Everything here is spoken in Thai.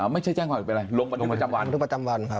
ไม่ใช่แจ้งความที่เป็นไรลงที่สวพครองหลวงประจำวัน